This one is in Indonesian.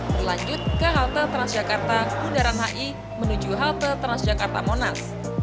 berlanjut ke halte transjakarta bundaran hi menuju halte transjakarta monas